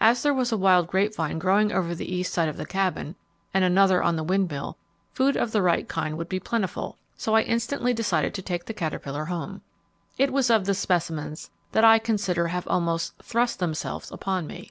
As there was a wild grapevine growing over the east side of the Cabin, and another on the windmill, food of the right kind would be plentiful, so I instantly decided to take the caterpillar home. It was of the specimens that I consider have almost 'thrust themselves upon me.'